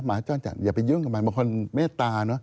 หมาจ้อนจันทร์อย่าไปยุ่งกับมัน